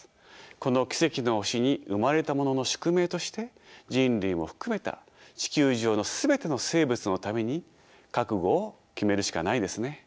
この奇跡の星に生まれたものの宿命として人類も含めた地球上の全ての生物のために覚悟を決めるしかないですね。